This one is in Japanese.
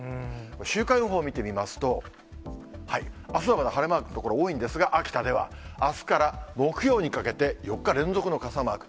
週間予報を見てみますと、あすはまだ晴れマークの所多いんですが、秋田では、あすから木曜日にかけて、４日連続の傘マーク。